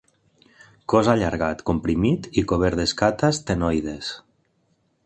Cos allargat, comprimit i cobert d'escates ctenoides.